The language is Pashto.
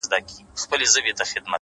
• څه مالونه مي راغلي له اېران دي ,